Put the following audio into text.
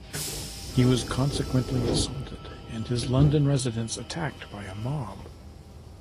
He was consequently assaulted and his London residence attacked by a mob.